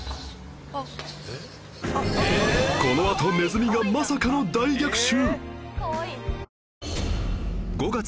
このあとネズミがまさかの大逆襲！